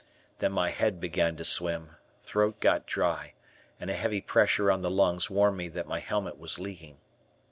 Then my head began to swim, throat got dry, and a heavy pressure on the lungs warned me that my helmet was leaking.